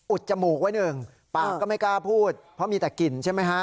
จมูกไว้หนึ่งปากก็ไม่กล้าพูดเพราะมีแต่กลิ่นใช่ไหมฮะ